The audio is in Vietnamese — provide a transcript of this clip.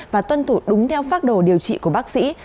và tuân thủ đúng theo pháp đồ điều trị của bác sĩ